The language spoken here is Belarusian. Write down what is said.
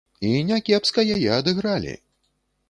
І някепска яе адыгралі!